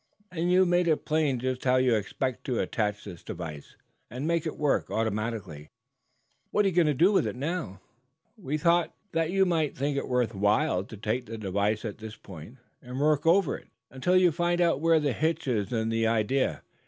"And you've made it plain just how you expect to attach this device and make it work automatically. What are you going to do with it, now?" "We thought, perhaps, Mr. Pollard," explained Captain Jack, "that you might think it worth while to take the device up at this point, and work over it until you find out where the hitch is in the idea.